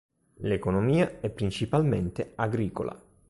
L'economia è principalmente agricola.